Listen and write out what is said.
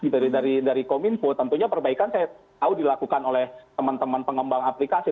dari kominfo tentunya perbaikan saya tahu dilakukan oleh teman teman pengembang aplikasi